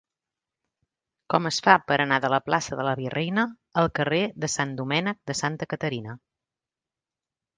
Com es fa per anar de la plaça de la Virreina al carrer de Sant Domènec de Santa Caterina?